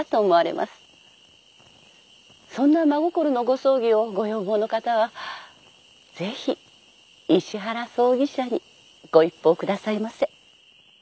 そんな真心のご葬儀をご要望の方はぜひ石原葬儀社にご一報くださいませ。